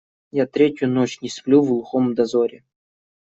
Я третью ночь не сплю в глухом дозоре.